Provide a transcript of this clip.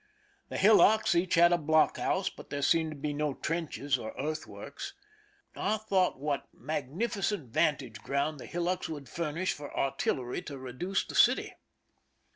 The hillocks each had a blockhouse, but there seemed to be no trenches or earthworks. I thought what magnifi cent vantage ground the hillocks would furnish for artillery to reduce the city.